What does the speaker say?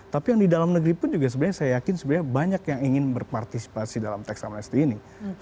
tapi yang di dalam negeri pun juga sebenarnya saya yakin sebenarnya banyak yang ingin berpartisipasi dalam tax amnesty ini